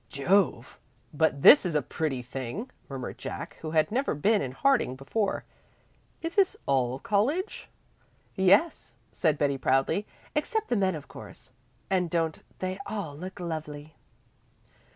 "Jove, but this is a pretty thing!" murmured Jack, who had never been in Harding before. "Is this all college?" "Yes," said Betty proudly, "except the men, of course. And don't they all look lovely?"